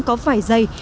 có vải dây